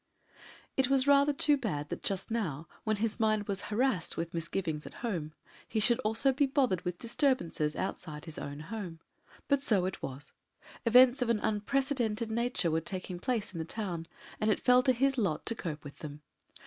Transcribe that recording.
It was rather too bad that just now, when his mind was harassed with misgivings at home, he should also be bothered with disturbances outside his own home. But so it was. Events of an unprecedented nature were taking place in the town, and it fell to his lot to cope with them.